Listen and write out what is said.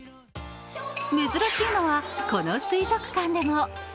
珍しいのは、この水族館でも。